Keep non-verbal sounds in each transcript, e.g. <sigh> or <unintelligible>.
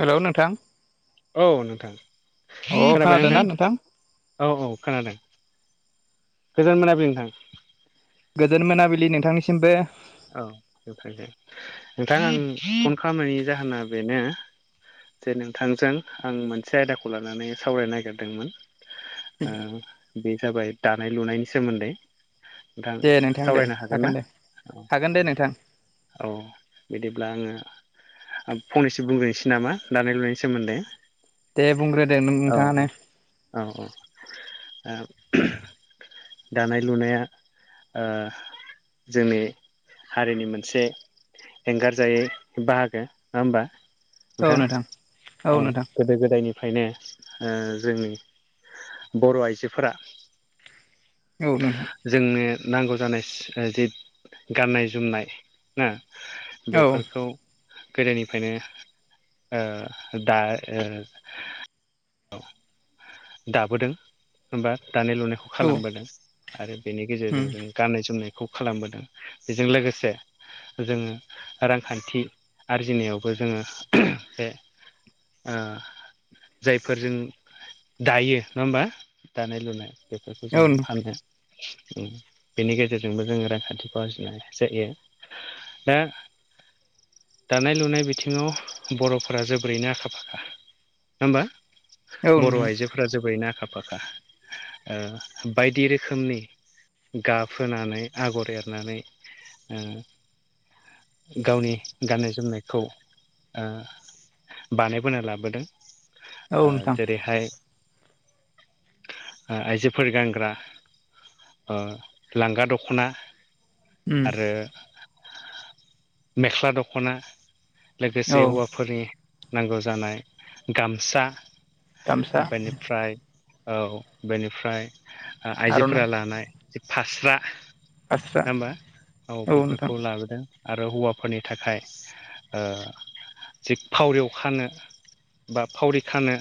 हेल' नोंथां औ नोंथां अ खोनादों खोनाबायना ना नोंथां? औ औ खोनादों गोजोन मोनाबिलि नोंथां। गोदोन मोनाबिलि नोंथांनिसिमबो। औ नोंथांजों नोंथां आं फन खालामनायनि जाहोना बेनो जे नोंथांजों आं मोनसे आयदाखौ लानानै सावरायनो नागिरदोंमोन ओ-बे जाबाय दानाय लुनायनि सोमोन्दै। नोंथां दे नोंथां दे सावरायनो ना हागोन -दे औ हागोन दे नोंथां। औ बिदिब्ला आङो फंनैसो बुंग्रोनोसै नामा दानाय- लुनायनि सोमोन्दै। दे बुंग्रोदो औ नोंथाङानो। औ औ ओ- दानाय लुनाया ओ-जोंनि हारिनि मोनसे एंगारजायै बाहागो नङा होमबा? नोंथां औ गोदो-गोदायनि फ्रायनो ओ-जोंनि बर' आइजोफोरा औ नोंथां जोंनो नांगौ जानाय सि जे गाननाय-जोमनाय ना औ उम बेफोरखौ गोदोनिफ्रायनो ओ- दा ओ- औ दाबोदों एबा दानाय-लुनायखौ औ खालामबोदों आरो बेनि गेजेरजों जों गाननाय-जोमनायखौ खालामबोदों बेजों लोगोसे जोङो रांखान्थि आरजिनायावबो जोङो बे ओ जायफोर जों दायो नङा होमबा? दानाय -लुनाय बेफोरखौ औ नोंथां जोङो- बेनि गेजेरजोंबो जोङो रांखान्थिखौ आरजिनाय जायो। हो दानाय -लुनाय बिथिङाव बर'फोरा जोबोरैनो आखा- फाखा होमबा बर' आइजोफोरा जोबोरैनो आखा- फाखा ओ बायदि रोखोमनि गाब होनानै आगर एरनानै ओ गावनि गाननाय-जोमनायखौ ओ- बानायबोना लाबोदों। औ नोंथां ओ-जेरैहाय ओ-आइजोफोर गानग्रा ओ-लांगा दख'ना उम आरो मेख्ला दखना लोगोसे औ हौवा फोरनि नांगौ जानाय गामसा गामसा बेनिफ्राय औ बेनिफ्राय आर'नाइ आइजोफोरा लानाय जि फास्रा फास्रा नङा होमबा? औ बेफोरखौ लाबोदों। आरो हौवाफोरनि थाखाय ओ जि फावरियाव खानो बा फावरि खानो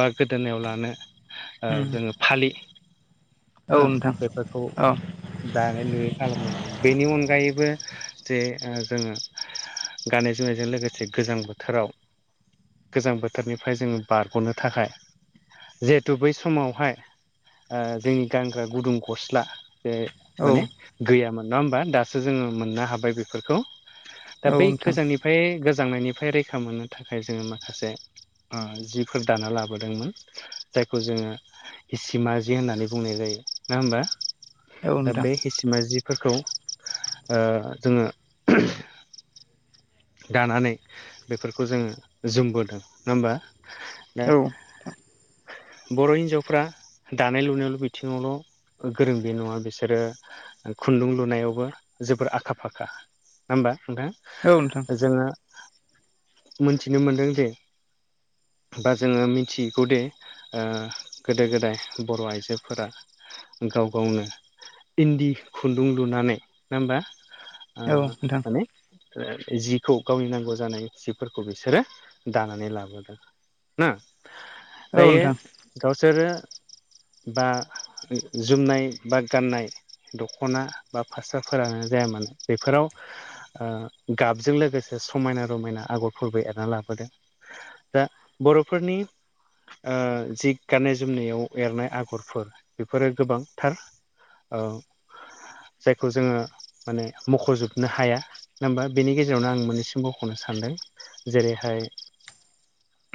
बा गोदोनायाव लानो ओ उम जोङो फालि औ ओ नोंथां बेफोरखौ औ दानाय लुयै खालामबोदों बेनि अनगायैबो जे ओ जोङो गाननाय जोमनायजों लोगोसे गोजां बोथोराव गोजां बोथोरनिफ्राय जोङो बारगनो थाखाय जिहेथु बै समावहाय ओ जोंनि गानग्रा गुदुं गस्ला बे औ माने गैयामोन नङा होमबा? दासो जोङो मोननो हाबाय बेफोरखौ दा औ बै नोंथां गोजांनि फ्राय गोजांनायनिफ्राय रैखा मोननो थाखाय जोङो माखासे ओ जिफोर दाना लाबोदोंमोन। जायखौ जोङो इसिमा जि होननानै बुंनाय जायो। नङा होमबा? औ दा नोंथां बे हिसिमा जिफोरखौ ओ जोङो दानानै बेफोरखौ जोङो जोमबोदों नङा होमबा? दा औ बर' हिन्जावफ्रा दानाय लुनायावल' बिथिङावल' गोरों बे नङा बिसोरो खुन्दुं लुनायावबो जोबोर आखा फाखा। नङा होमबा नोंथा? औ नोंथां। जोङो मोनथिनो मोनदों जे बा जोङो मिथिगौ दे ओ गोदो गोदाय बर' आइजोफोरा गाव गावनो इन्दि खुन्दुं लुनानै, नङा होमबा? ओ औ नोंथां। माने जिखौ गावनि नांगौ जानाय जिफोरखौ बिसोरो दानानै लाबोदों। ना दायो नोंथां गावसोरो बा जोमनाय बा गाननाय दख'ना बा फास्राफोरानो जाया मानो। बेफोराव ओ गाबजों लोगोसे समायना रमायना आगरफोरबो एरना लाबोदों। दा बर'फोरनि ओ जि गाननाय जोमनायाव एरनाय आगरफोर बेफोरो गोबांथार। औ जायखौ जोङो माने मख'जोबनो हाया, नङा होमबा? बेनि गेजेरावनो आं मोननैसिमबोख'नो सानदों जेरैहाय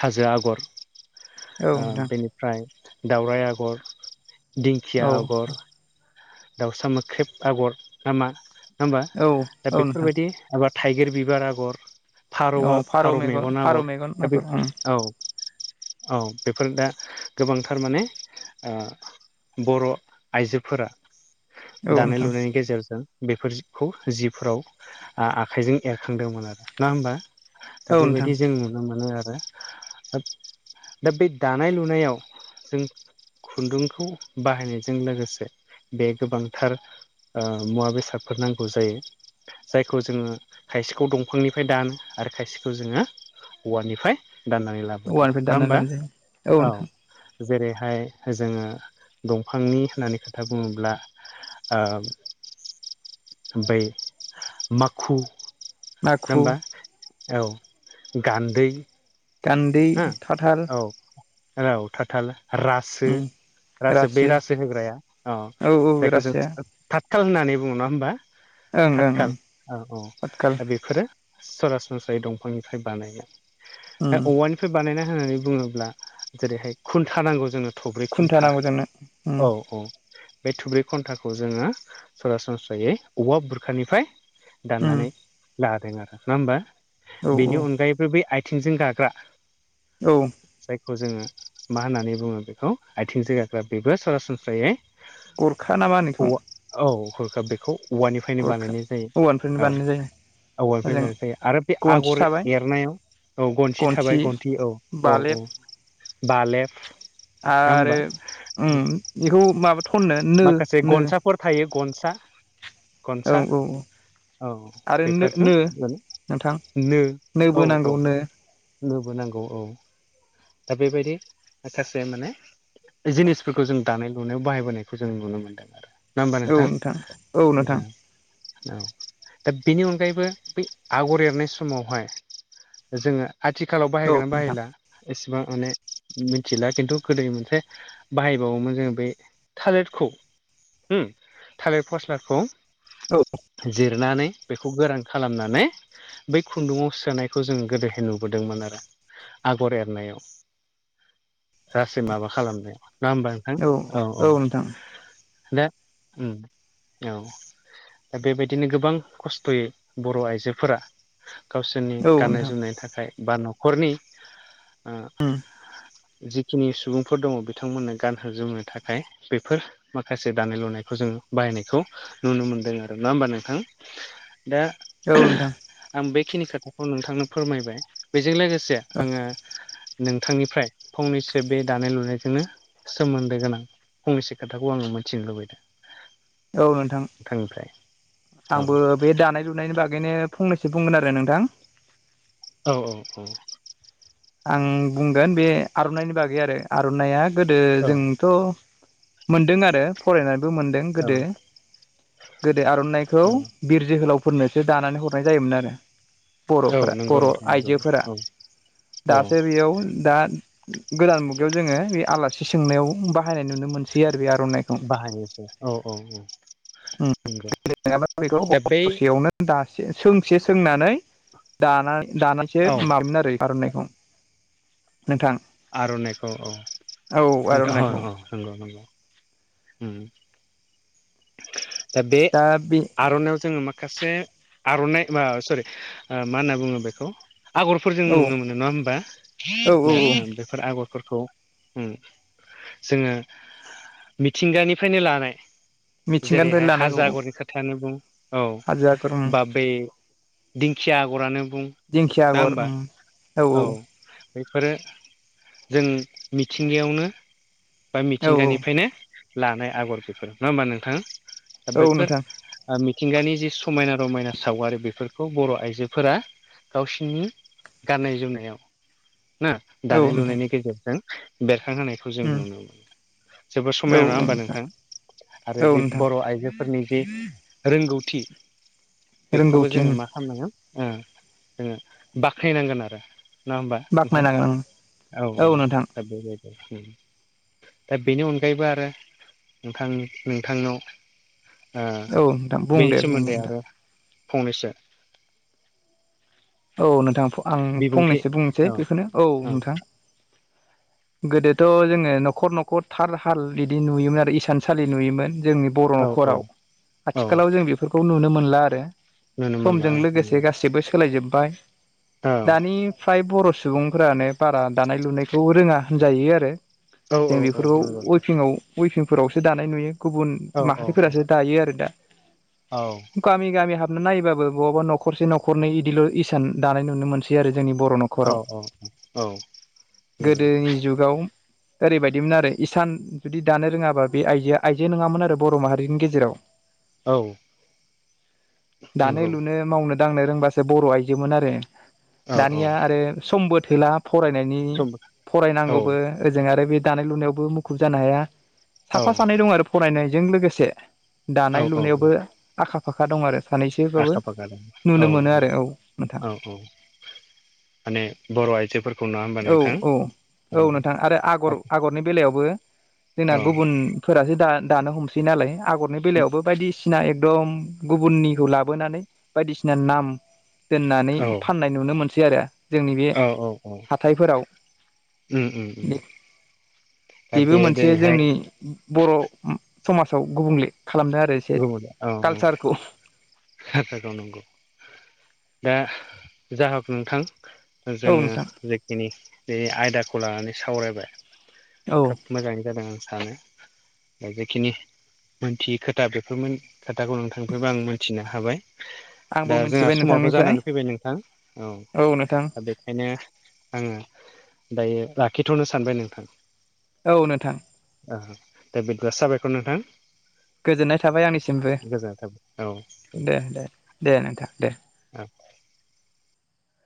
हाजो आगर, औ नोंथां बेनिफ्राय दावराइ आग'र, दिंखिया औ आग'र, दाउसा मोख्रेब आग'र, ना मा नङा होमबा? औ दा औ नोंथां बेफोरबायदि माबा थाइगिर बिबार आग'र, औ फारौआ फारौ मेगन फारौ आगर मेगन दा बे मागुर ओं औ औ बेफोर दा गोबांथार माने ओ बर' आइजोफोरा दानाय नोंथां लुनायनि गेजेरजों बेफोरजिबखौ जिफोराव आ आखाइजों एरखांदोंमोन आरो नङा होमबा? दा औ नोंथां बेबायदि जों नुनो मोनो आरो दा बे दानाय लुनायाव जों खुन्दुंखौ बाहायनायजों लोगोसे बे गोबांथार ओ मुवा बेसादफोर नांगौ जायो। जायखौ जोङो खायसेखौ दंफांनिफ्राय दानो आरो खायसेखौ जोङो औवानिफ्राय दाननानै लाबोदों। औवानिफ्राय नङा दाननानै होमबा? लानाय जायो औ नोंथां जेरैहाय जोङो दंफांनि होननानै खोथा बुङोब्ला ओ बै माखु, नङा माखु होमबा? औ गान्दै, गान्दै हो थाथाल औ औ थाथाल, रा सो उम रासो बे रासो होग्राया अ औ औ जायखौ जों रासोआ थाथखाल होननानै बुङो नङा होमबा ओं ओं ओं थाथखाल औ औ पातकाल दा बेफोरो सरासनस्रायै दंफांनिफ्राय बानायनाय ओ औवानिफ्राय बानायनाय होननानै बुङोब्ला जेरैहाय खुन्था नांगौ जोंनो थब्रै खुन्था खुन्टा नांगौ जोंनो उम औ औ बे थब्रै खन्थाखौ जोङो सरासनस्रायै औवा बुरखानिफ्राय उम दाननानै लादों आरो नङा होमबा औ बेनि अनगायैबो बै आथिंजों गाग्रा औ जायखौ जोङो मा होननानै बुङो बेखौ आथिं जो गाग्रा बेबो सरासनस्रायै गरखा ना मा होनो बेखौ औवा औ हरखाब बेखौ औवानिफ्रायनो गरखा बानायनाय औवानिफ्रायनो जायो औ बानायनाय औवा निफ्राय गायनाय जायो आरो बे गनथि आगर थाबाय एरनायाव ओ गनसि गनथि थाबाय गन्थि औ औ बालेब औ बालेफ आरो उम बेखौ माबा थननो नो नो हर थायो गनसा औ गनसा औ औ औ आरो नो बेफोरखौ नो माने नोंथां नो बोनांगौ नो नो बो नांगौ औ दा बेबायदि माखासे माने जिनिसफोरखौ जों दानाय लुनायाव बाहायबोनायखौ जों नुनो मोन्दों आरो नङा होमबा औ नोंथां औ नोंथां औ दा बेनि अनगायैबो बै आगर एरनाय समावहाय जोङो आथिखालाव औ बाहायगोना नोंथां बाहायला एसेबां माने मिथिला खिन्थु गोदो मोनसे बाहायबावोमोन जोङो बे थालिरखौ उम थालिर फस्लाखौ औ जिरनानै बेखौ गोरान खालामनानै बै खुन्दुङाव सोनायखौ जों गोदोहाय नुबोदोंमोन आरो गर एरनायाव रासो माबा खालामनायाव ना होमबा नों थां औ औ दे उम औ दा बेबायदिनो गोबां खस्थ'यै बर' आइजोफोरा गावसोरनि औ गाननाय नोंथां जोमनायनि थाखाय बा न'खरनि आ उम जिखिनि सुबुंफोर दङ बिथांमोननो गानहोजोमनो थाखाय बेफोर माखासे दानाय लुनायखौ जोङो बाहायनायखौ नुनो मोनदों आरो नङा होमबा नोंथां? दा औ नोंथां आं बेखिनि खोथाखौ नोंथांनो फोरमायबाय बेजों लोगोसे आङो नोंथांनिफ्राय फंनैसो बे दानाय लुनायजोंनो सोमोन्दो गोनां फंनैसो खोथाखौ आङो मिथिनो लुबैदों औ नोंथां नोंथांनिफ्राय औ आंबो बे दानाय लुनायनि बागैनो फंनैसो बुंगोन आरो नोंथां औ औ औ आं बुंगोन बे आर'नाइनि बागै आरो आर'नाइया गोदो औ जों थ' मोनदों आरो फरायनानैबो मोन दों औ गोदो गोदो आर'नाइखौ औ बिर जोहोलावफोरनोसो दानानै हरनाय जायोमोन आरो औ बर'फोरा नंगौ बर' नोंथां नंगौ आइजोफोरा औ औ दासो बेयाव दा गोदान मुगायाव जोङो बे आलासि सोंनायाव बाहायनाय नुनो मोनसै आरो बे आर'नाइ बाहायनोसै औ औ औ नंगौ गेलेङाब्ला दा बै बेखौसेयावनो दासे सोंसे सोंनानै दाना औ दानानैसो माबोन आरो आर'इखौ। नोंथां आर'नाइखौ औ औ आर'नाइखौ अह'-अह' नंगौ-नंगौ उम। दा बे आर'नाइाव जोङो मा माखासे आर'नाइ बा सरि मा होनना बुङो बेखौ आगरफोरजों औ नुनो मोनो नङा होमबा? औ औ <unintelligible> मोनदों फोर आगरफोरखौ उम जोङो मिथिंगानिफ्रायनो लानाय मिथिंगानिफ्राय जेरैहाय लानाय औ हाजो औ आगरनि खोथायानो बुं औ हाजो आगर उम बा बे दिंखिया आगरानो बुं। दिंखिया नङा आगर होमबा? उम औ! बेफोरो जों मिथिंगायावनो बा औ मिथिंगानिफ्रायनो लानाय आगर बेफोर नङा होमबा नोंथाङा? दा औ बैफोर नोंथां ओ मिथिंगानि जि समायना रमायना सावगारि बेफोरखौ बर' आइजोफोरा गावसिनि गाननाय जोमनायाव ना औ दानाय नोंथां लुनायनि गेजेरजों बेरखांहोनाय खौ जों उम नुनो मोनो। जोबोद औ समाया नङा होमबा नोंथां? आरो औ जि नोंथां बर' आइजोफोरनि जि रोंगौथि बेखौबो रोंगौथि उम जोङो मा खालामनांगोन ओ- ओ जोङो बाखोयनांगोन आरो। नङा होमबा नोंथां? बाख्नायनांगोन उम औ औ-औ नोंथां दा बेबायदि। दा बेनि अनगायैबो आरो नोंथां नोंथांनाव ओ औ नोंथां बुं बेनि दे बुं सोमोन्दै नोंथां आरो फंनैसो औ नोंथां आं बिबुंथि फंनैसो बुंनोसै बेखौनो औ नोंथां। गोदोथ' जोङो न'खर न'खर थार हाल बिदि नुयोमोन। आरो इसान सलि नुयोमोन। जोंनि बर' औ औ न'खराव औ आथिखालाव जों बेफोरखौ नुनो मोनला आरो। नुनो मोनला समजों औ लोगोसे नंगौ गासिबो सोलायजोब्बाय। दानि फ्राय बर' सुबुंफोरानो बारा दानाय लुनायखौ रोङा होनजायो आरो। औ जों औ औ बेफोरखौ नंगौ अइभिंआव उफिंफोरावसो दानाय नुयो। गुबुन औ औ माहारिफोरासो दायो आरो दा। औ! गामि गामि हाबनो नायबाबो बहाबा न'खरसे न'खरनै इदिल' इसान दानाय नुनो मोनसै आरो जोंनि बर' न'आव। औ न'खराव औ औ नंगौ गोदोनि जुगाव ओरैबायदिमोन आरो इसान जुदि दानो रोङाबा बे आइजोआ आइजो नङामोन आरो बर' माहारिनि गेजेराव। औ दानो नंगौ लुनो मावनो दांनो रोंबासो बर' आइजो मोन आरो औ औ दानिया आरो समबो थोला । फरायनायनि सम औ फरायनांगौबो ओजों आरो बे दानाय लुनायावबो मुखुब जानो हाया। औ साफा सानै दं आरो फरायनायजों लोगोसे औ दानाय औ लुनायावबो आखा फाखा दं आरो। सानैसोबाबो आखा फाखा दं औ नुनो मोनो आरो औ। नोंथां माने बर' आइजोफोर औ औ औ नोंथां। आरो आगर आगरनि बेलायावबो जोंना गुबुन फोरासो दा-दानो हमसै नालाय आगरनि बेलायावबो बायदि सिना एकदम गुबुननिखौ लाबोनानै बायदिसिना नाम दोननानै औ फाननाय नुनो मोनसै आरो जोंनि बे औ औ हाथायफोराव। उम उम उम बे दा बेबो बे मोनसे दिनैहाय जोंनि बर' समाजाव गुबुंले खालामदों आरो एसे कालसारखौ। <unintelligible> नांगौ दा जाहक नोंथां। औ जोङो नोंथां जेखिनि बे आयदाखौ लानानै सावरायबाय औ थाब मोजाङै जादों आं सानो। दा जेखिनि मोनथि खोथा बेफोरमोन खोथाखौ नों थांफैबा आं मिथिनो हाबाय। आंबो दा जोंहा मिथिबाय समाबबो नोंथांनिफ्राय जानानै फैबाय नोंथां। औ दा बे खायनो आङो दायो लाखिथ'नो सानबाय नोंथां। औ नोंथां। आ दा बिदिबा साबायखर नोंथां। गोजोननाय थाबाय आंनिसिमबो गोजोननाय थाबाय औ दे दे दे नोंथां दे। औ।